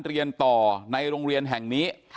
เรียนต่อในโรงเรียนแห่งนี้